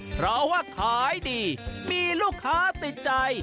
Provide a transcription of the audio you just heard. เพราะว่าขายดีมีลูกค้าติดใจ